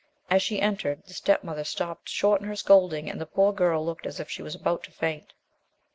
As she entered, the step mother stopped short in her scolding, and the poor girl looked as if she was about to faint.